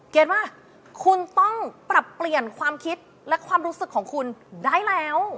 ว่าคุณต้องปรับเปลี่ยนความคิดและความรู้สึกของคุณได้แล้ว